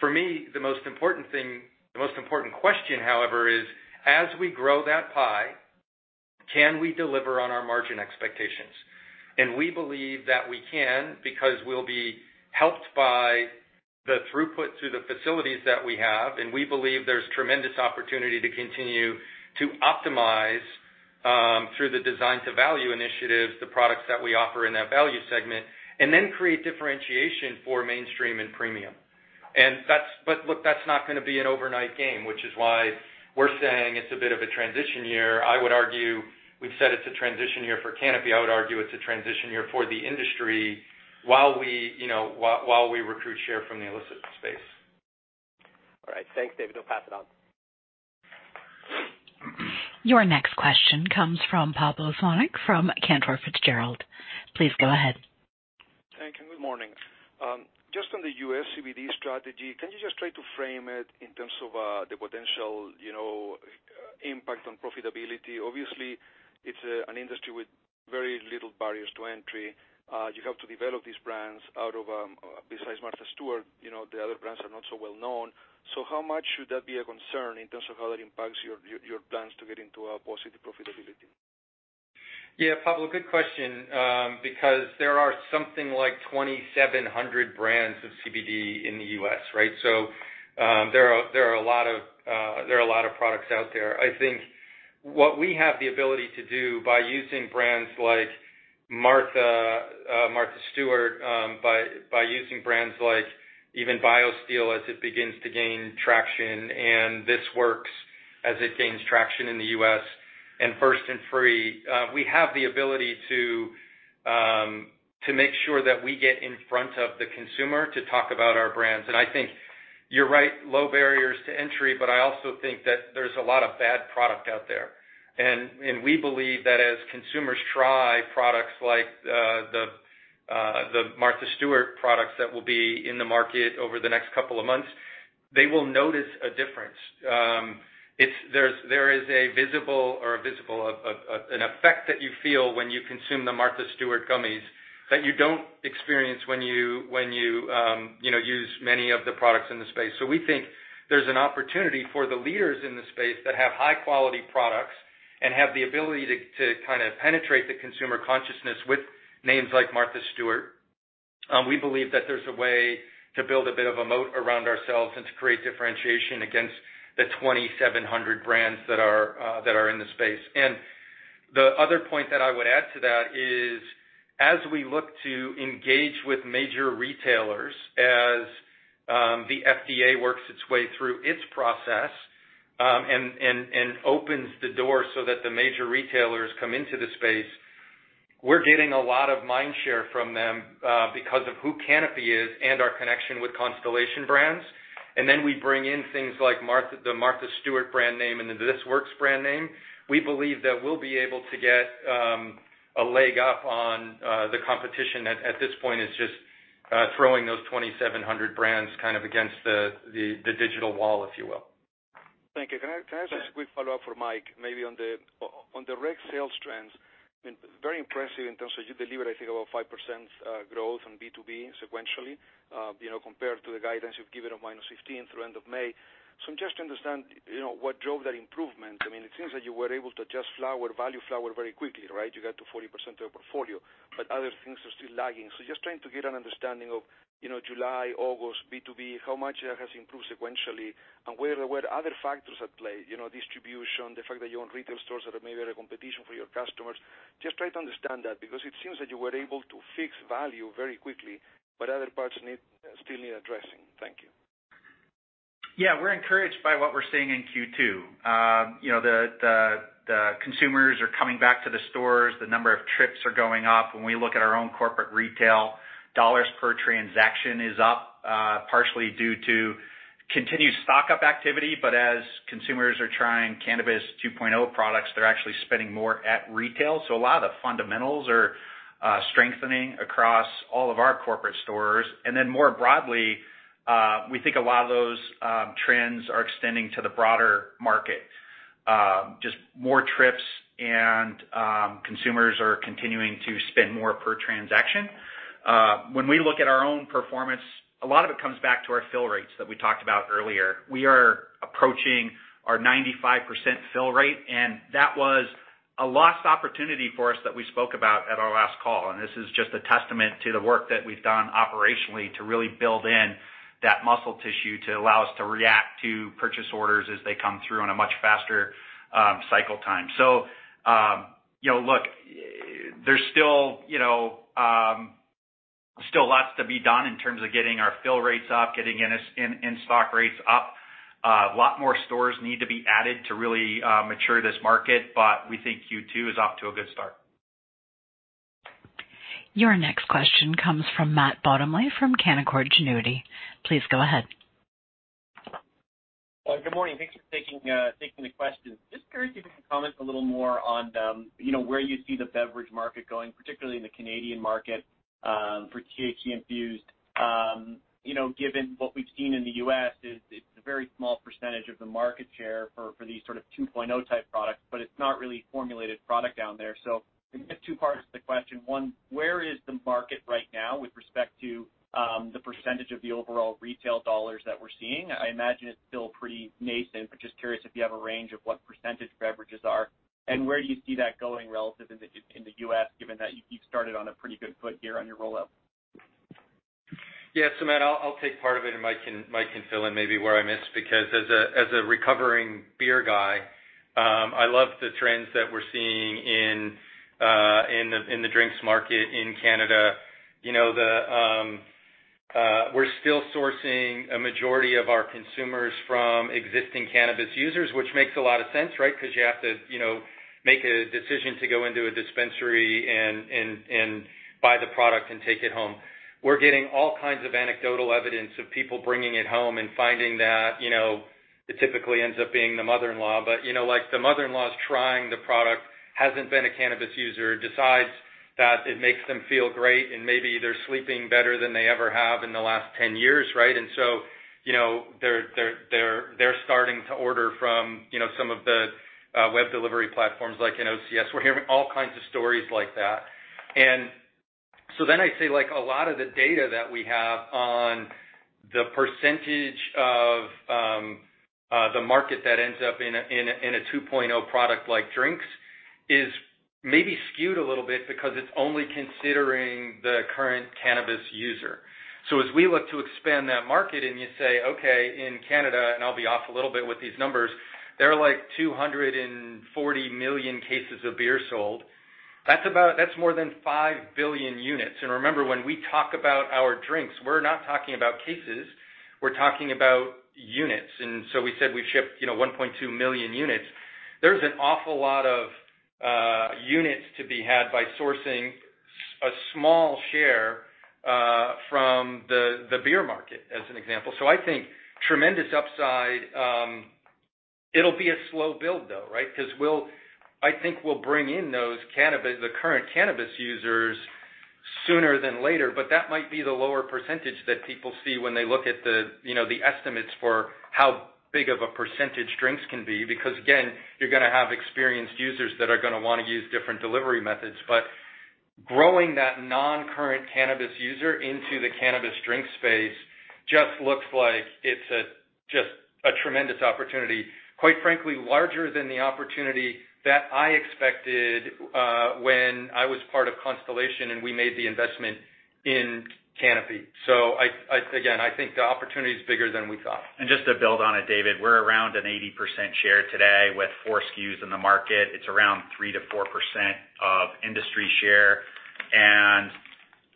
For me, the most important question, however, is as we grow that pie, can we deliver on our margin expectations? We believe that we can because we'll be helped by the throughput through the facilities that we have, and we believe there's tremendous opportunity to continue to optimize, through the design to value initiatives, the products that we offer in that value segment, and then create differentiation for mainstream and premium. Look, that's not going to be an overnight game, which is why we're saying it's a bit of a transition year. We've said it's a transition year for Canopy. I would argue it's a transition year for the industry while we recruit share from the illicit space. All right. Thanks, David. I'll pass it on. Your next question comes from Pablo Zuanic from Cantor Fitzgerald. Please go ahead. Thank you. Good morning. Just on the U.S. CBD strategy, can you just try to frame it in terms of the potential impact on profitability? Obviously, it's an industry with very little barriers to entry. You have to develop these brands out of, besides Martha Stewart, the other brands are not so well known. How much should that be a concern in terms of how that impacts your plans to get into a positive profitability? Yeah, Pablo, good question. There are something like 2,700 brands of CBD in the U.S., right? There are a lot of products out there. I think what we have the ability to do by using brands like Martha Stewart, by using brands like even BioSteel as it begins to gain traction, and This Works as it gains traction in the U.S. and First & Free, we have the ability to make sure that we get in front of the consumer to talk about our brands. I think you're right, low barriers to entry, but I also think that there's a lot of bad product out there. We believe that as consumers try products like the Martha Stewart products that will be in the market over the next couple of months. They will notice a difference. There is a visible or an effect that you feel when you consume the Martha Stewart gummies that you don't experience when you use many of the products in the space. We think there's an opportunity for the leaders in the space that have high-quality products and have the ability to penetrate the consumer consciousness with names like Martha Stewart. We believe that there's a way to build a bit of a moat around ourselves and to create differentiation against the 2,700 brands that are in the space. The other point that I would add to that is, as we look to engage with major retailers, as the FDA works its way through its process, and opens the door so that the major retailers come into the space, we're getting a lot of mind share from them because of who Canopy is and our connection with Constellation Brands. Then we bring in things like the Martha Stewart brand name and the This Works brand name. We believe that we'll be able to get a leg up on the competition that at this point is just throwing those 2,700 brands against the digital wall, if you will. Thank you. Can I ask a quick follow-up from Mike, maybe on the Rec sales trends, very impressive in terms of you delivered, I think, about 5% growth on B2B sequentially, compared to the guidance you've given on -15% through end of May. Just to understand what drove that improvement. It seems that you were able to adjust value flower very quickly, right? You got to 40% of the portfolio, but other things are still lagging. Just trying to get an understanding of July, August, B2B, how much has improved sequentially and were there other factors at play, distribution, the fact that you own retail stores that are maybe a competition for your customers? Just trying to understand that because it seems that you were able to fix value very quickly, but other parts still need addressing. Thank you. Yeah. We're encouraged by what we're seeing in Q2. The consumers are coming back to the stores. The number of trips are going up. When we look at our own corporate retail, dollars per transaction is up, partially due to continued stock-up activity, but as consumers are trying Cannabis 2.0 products, they're actually spending more at retail. A lot of the fundamentals are strengthening across all of our corporate stores. More broadly, we think a lot of those trends are extending to the broader market. Just more trips and consumers are continuing to spend more per transaction. When we look at our own performance, a lot of it comes back to our fill rates that we talked about earlier. We are approaching our 95% fill rate, and that was a lost opportunity for us that we spoke about at our last call. This is just a testament to the work that we've done operationally to really build in that muscle tissue to allow us to react to purchase orders as they come through on a much faster cycle time. Look, there's still lots to be done in terms of getting our fill rates up, getting in-stock rates up. A lot more stores need to be added to really mature this market, but we think Q2 is off to a good start. Your next question comes from Matt Bottomley from Canaccord Genuity. Please go ahead. Good morning. Thanks for taking the question. Just curious if you could comment a little more on where you see the beverage market going, particularly in the Canadian market, for THC infused. Given what we've seen in the U.S., it's a very small percentage of the market share for these sort of 2.0 type products, but it's not really formulated product down there. I guess two parts to the question. One, where is the market right now with respect to the percentage of the overall retail dollars that we're seeing? I imagine it's still pretty nascent, but just curious if you have a range of what percentage beverages are, and where do you see that going relative in the U.S., given that you've started on a pretty good foot here on your rollout? Matt, I'll take part of it and Mike can fill in maybe where I miss, because as a recovering beer guy, I love the trends that we're seeing in the drinks market in Canada. We're still sourcing a majority of our consumers from existing cannabis users, which makes a lot of sense, right? Because you have to make a decision to go into a dispensary and buy the product and take it home. We're getting all kinds of anecdotal evidence of people bringing it home and finding that it typically ends up being the mother-in-law. The mother-in-law's trying the product, hasn't been a cannabis user, decides that it makes them feel great, and maybe they're sleeping better than they ever have in the last 10 years, right? They're starting to order from some of the web delivery platforms like an OCS. We're hearing all kinds of stories like that. I say a lot of the data that we have on the percentage of the market that ends up in a 2.0 product like drinks is maybe skewed a little bit because it's only considering the current cannabis user. As we look to expand that market and you say, okay, in Canada, and I'll be off a little bit with these numbers, there are like 240 million cases of beer sold. That's more than 5 billion units. Remember, when we talk about our drinks, we're not talking about cases, we're talking about units. We said we shipped 1.2 million units. There's an awful lot of units to be had by sourcing a small share from the beer market, as an example. I think tremendous upside. It'll be a slow build, though, right? I think we'll bring in the current cannabis users sooner than later, but that might be the lower percentage that people see when they look at the estimates for how big of a percentage drinks can be. Again, you're going to have experienced users that are going to want to use different delivery methods. Growing that non-current cannabis user into the cannabis drink space just looks like it's just a tremendous opportunity. Quite frankly, larger than the opportunity that I expected when I was part of Constellation and we made the investment in Canopy. Again, I think the opportunity is bigger than we thought. Just to build on it, David, we're around an 80% share today with 4 SKUs in the market. It's around 3%-4% of industry share.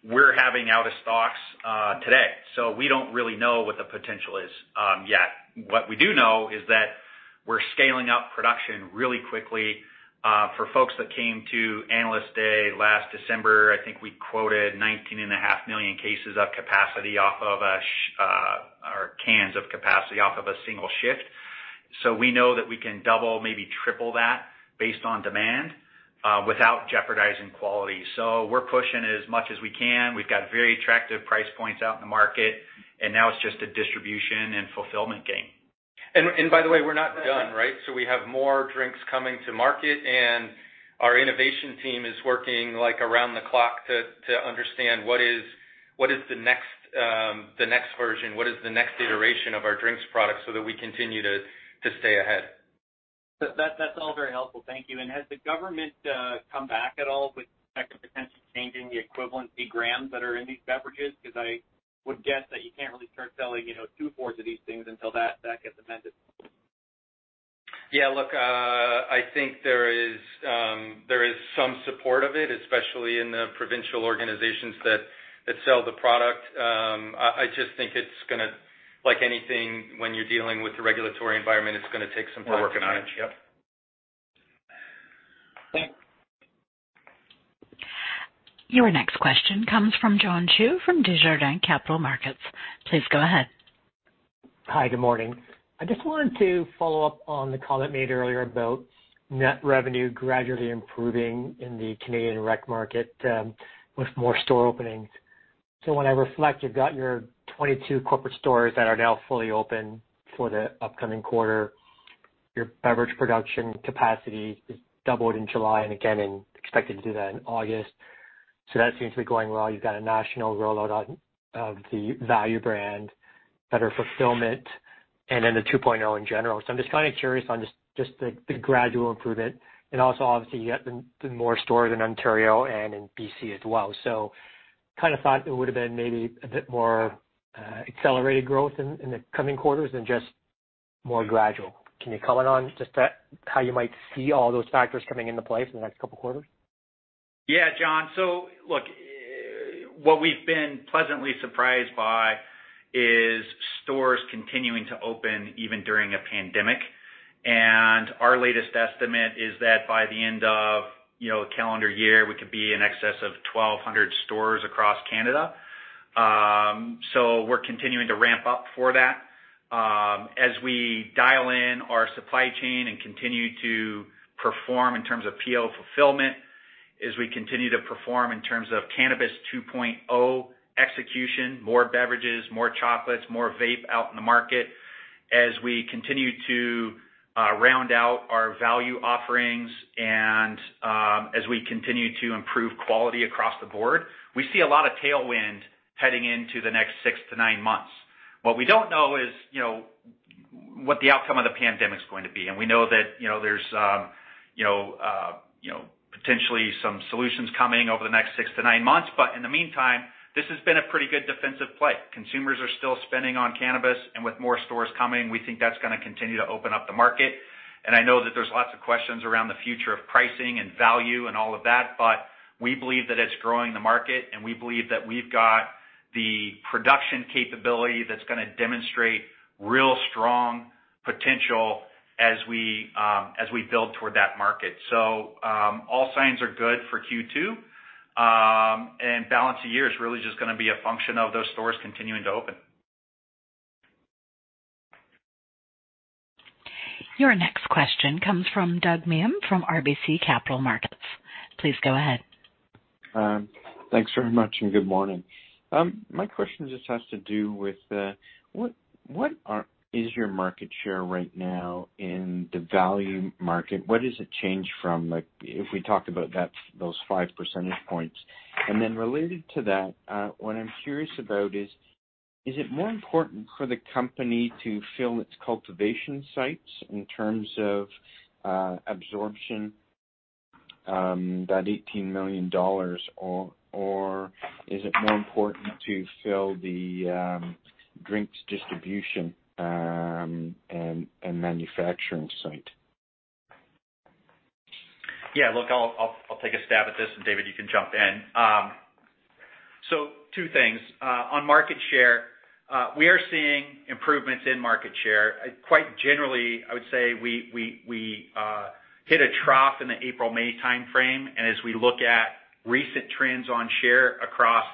We're having out of stocks today. We don't really know what the potential is yet. What we do know is that we're scaling up production really quickly. For folks that came to Analyst Day last December, I think we quoted 19.5 million cases of capacity off of or cans of capacity off of a single shift. We know that we can double, maybe triple that based on demand, without jeopardizing quality. We're pushing as much as we can. We've got very attractive price points out in the market, and now it's just a distribution and fulfillment game. By the way, we're not done, right? We have more drinks coming to market, and our innovation team is working around the clock to understand what is the next version, what is the next iteration of our drinks product so that we continue to stay ahead. That's all very helpful. Thank you. Has the government come back at all with respect to potentially changing the equivalency grams that are in these beverages? Because I would guess that you can't really start selling two fours of these things until that gets amended. Yeah, look, I think there is some support of it, especially in the provincial organizations that sell the product. I just think it's going to, like anything, when you're dealing with the regulatory environment, it's going to take some time. More work on it. Yep. Thanks. Your next question comes from John Chu from Desjardins Capital Markets. Please go ahead. Hi. Good morning. I just wanted to follow up on the comment made earlier about net revenue gradually improving in the Canadian Rec market with more store openings. When I reflect, you've got your 22 corporate stores that are now fully open for the upcoming quarter. Your beverage production capacity is doubled in July and again, expected to do that in August. You've got a national rollout of the value brand, better fulfillment, and then the 2.0 in general. I'm just kind of curious on just the gradual improvement. Obviously, you got the more stores in Ontario and in B.C. as well. Kind of thought it would've been maybe a bit more accelerated growth in the coming quarters than just more gradual. Can you comment on just how you might see all those factors coming into play for the next couple quarters? Yeah, John. Look, what we've been pleasantly surprised by is stores continuing to open even during a pandemic. Our latest estimate is that by the end of calendar year, we could be in excess of 1,200 stores across Canada. We're continuing to ramp up for that. As we dial in our supply chain and continue to perform in terms of PO fulfillment, as we continue to perform in terms of Cannabis 2.0 execution, more beverages, more chocolates, more vape out in the market, as we continue to round out our value offerings and, as we continue to improve quality across the board, we see a lot of tailwind heading into the next six to nine months. What we don't know is what the outcome of the pandemic's going to be. We know that there's potentially some solutions coming over the next six to nine months, but in the meantime, this has been a pretty good defensive play. Consumers are still spending on cannabis, with more stores coming, we think that's going to continue to open up the market. I know that there's lots of questions around the future of pricing and value and all of that, but we believe that it's growing the market, and we believe that we've got the production capability that's going to demonstrate real strong potential as we build toward that market. All signs are good for Q2. Balance of year is really just going to be a function of those stores continuing to open. Your next question comes from Douglas Miehm from RBC Capital Markets. Please go ahead. Thanks very much, and good morning. My question just has to do with, what is your market share right now in the value market? What is it change from, if we talked about those five percentage points? Related to that, what I'm curious about is it more important for the company to fill its cultivation sites in terms of absorption, that 18 million dollars, or is it more important to fill the drinks distribution and manufacturing site? I'll take a stab at this, David, you can jump in. Two things. On market share, we are seeing improvements in market share. Quite generally, I would say we hit a trough in the April-May timeframe, as we look at recent trends on share across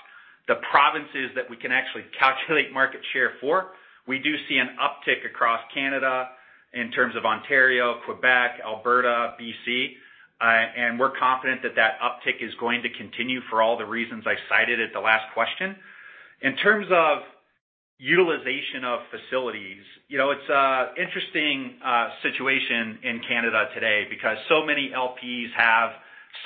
the provinces that we can actually calculate market share for, we do see an uptick across Canada in terms of Ontario, Quebec, Alberta, B.C., we're confident that uptick is going to continue for all the reasons I cited at the last question. In terms of utilization of facilities, it's an interesting situation in Canada today because so many LPs have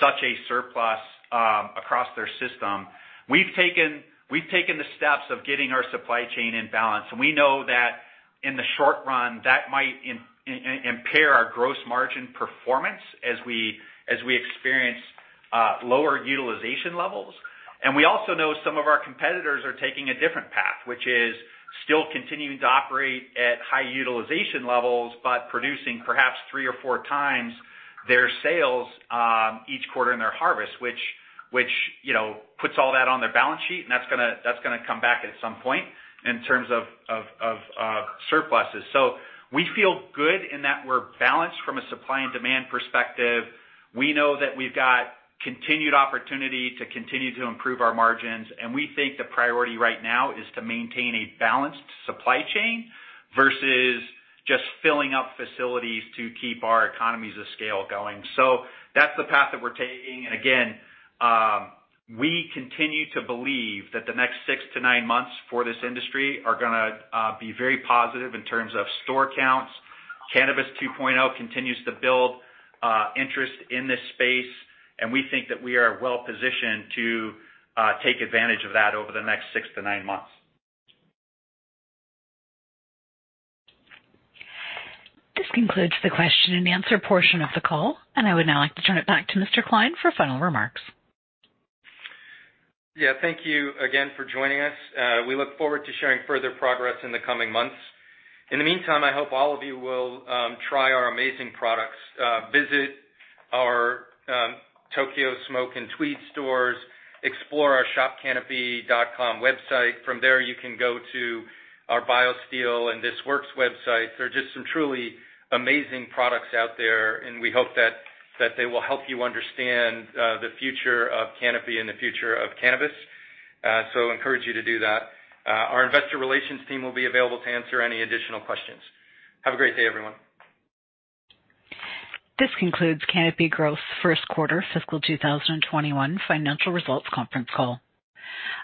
such a surplus across their system. We've taken the steps of getting our supply chain in balance, we know that in the short run, that might impair our gross margin performance as we experience lower utilization levels. We also know some of our competitors are taking a different path, which is still continuing to operate at high utilization levels, but producing perhaps three or four times their sales each quarter in their harvest, which puts all that on their balance sheet, and that's going to come back at some point in terms of surpluses. We feel good in that we're balanced from a supply and demand perspective. We know that we've got continued opportunity to continue to improve our margins, and we think the priority right now is to maintain a balanced supply chain versus just filling up facilities to keep our economies of scale going. That's the path that we're taking. Again, we continue to believe that the next six to nine months for this industry are going to be very positive in terms of store counts. Cannabis 2.0 continues to build interest in this space, and we think that we are well-positioned to take advantage of that over the next six to nine months. This concludes the question and answer portion of the call, and I would now like to turn it back to Mr. Klein for final remarks. Thank you again for joining us. We look forward to sharing further progress in the coming months. In the meantime, I hope all of you will try our amazing products, visit our Tokyo Smoke and Tweed stores, explore our shopcanopy.com website. From there, you can go to our BioSteel and This Works websites. They're just some truly amazing products out there, and we hope that they will help you understand the future of Canopy and the future of cannabis. Encourage you to do that. Our investor relations team will be available to answer any additional questions. Have a great day, everyone. This concludes Canopy Growth first quarter fiscal 2021 financial results conference call.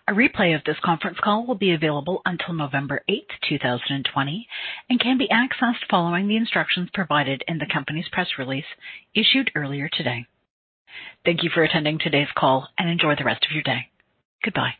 A replay of this conference call will be available until November 8th, 2020 and can be accessed following the instructions provided in the company's press release issued earlier today. Thank you for attending today's call and enjoy the rest of your day. Goodbye.